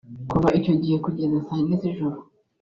Kuva icyo gihe kugeza saa yine z’ijoro